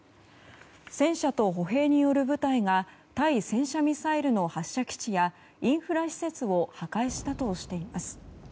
戦車と歩兵による部隊が対戦車ミサイルの発射基地やインフラ施設を破壊したとしています。